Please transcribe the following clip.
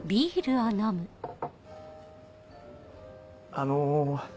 あの。